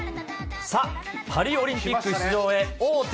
さあ、パリオリンピック出場へ王手。